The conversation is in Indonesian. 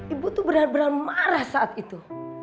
ibu tuh benar benar marah saat itu